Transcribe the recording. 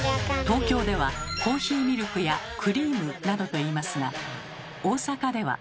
東京では「コーヒーミルク」や「クリーム」などと言いますが大阪では。